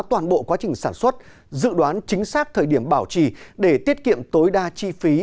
toàn bộ quá trình sản xuất dự đoán chính xác thời điểm bảo trì để tiết kiệm tối đa chi phí